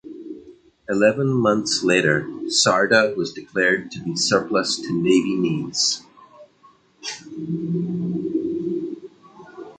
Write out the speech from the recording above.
Eleven months later, "Sarda" was declared to be surplus to Navy needs.